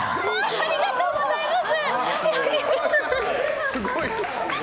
ありがとうございます。